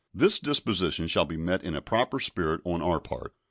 This disposition shall be met in a proper spirit on our part.